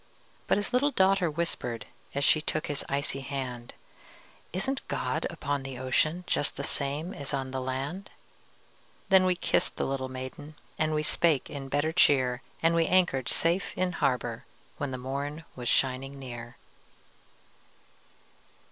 But his little daughter whispered, As she took his icy hand, "Isn't God upon the ocean, Just the same as on the land?" Then we kissed the little maiden, And we spake in better cheer, And we anchored safe in harbor When the morn was shining clear.